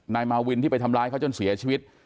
นายมาวินที่ไปทำร้ายเขาจนเสียชีวิต